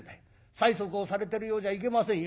催促をされてるようじゃいけませんよ。